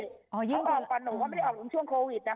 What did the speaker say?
เค้าออกก่อนหนูเค้าไม่ได้ออกถึงช่วงโควิดนะคะ